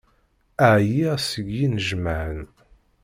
Ɛyiɣ seg yinejmaɛen.